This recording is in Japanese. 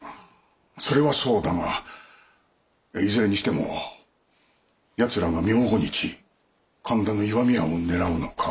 それはそうだがいずれにしても奴らが明後日神田の石見屋を狙うのか